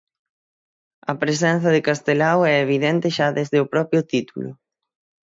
A presenza de Castelao é evidente xa desde o propio título.